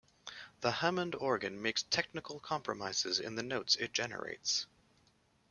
The Hammond organ makes technical compromises in the notes it generates.